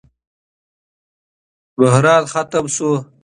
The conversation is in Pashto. بحران ختم شو.